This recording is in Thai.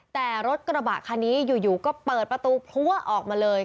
แต่รถกระบะคันนี้อยู่ก็เปิดประตูพลัวออกมาเลย